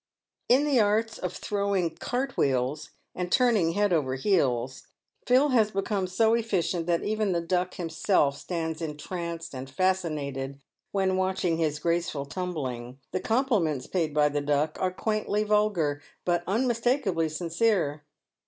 In the arts of throwing " cart wheels " and turning head over heels, Phil has become so efficient that even the Duck himself stands en tranced and fascinated when watching his graceful tumbling. The compliments paid by the Duck are quaintly vulgar, but unmistakably sincere.